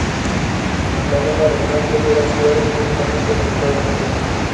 Leña y troncos eran enviados principalmente a los Estados Unidos.